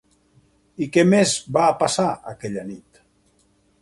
I què més va passar, aquella nit?